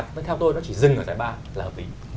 với theo tôi nó chỉ dừng ở giải ba là hợp lý